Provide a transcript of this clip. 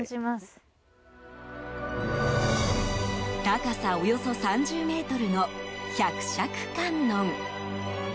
高さおよそ３０ｍの百尺観音。